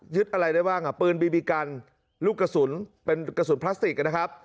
อะไรได้บ้างอ่ะปืนบีบีกันลูกกระสุนเป็นกระสุนพลาสติกนะครับ